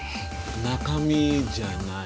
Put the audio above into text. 中身じゃない。